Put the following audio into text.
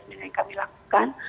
metode asesmen yang kami lakukan